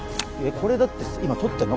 これだって今とってんの？